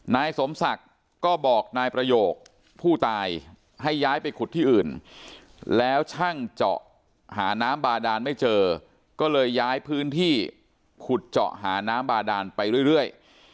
นายสมศักดิ์ก็บอกนายประโยคผู้ตายให้ย้ายไปขุดที่อื่นแล้วช่างเจาะหาน้ำบาดานไม่เจอก็เลยย้ายพื้นที่ขุดเจาะหาน้ำบาดานไปเรื่อย